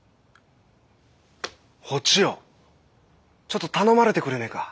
ちょっと頼まれてくれねえか？